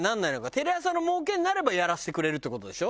テレ朝の儲けになればやらせてくれるっていう事でしょ？